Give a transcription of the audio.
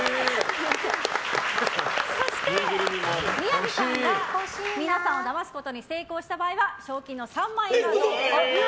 そして、宮治さんが皆さんをだますことに成功した場合は賞金の３万円を贈呈いたします。